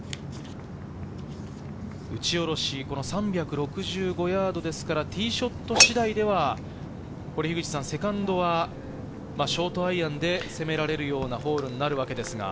打ち下ろし、この３６５ヤードですから、ティーショット次第ではセカンドはショートアイアンで攻められるようなホールになるわけですが。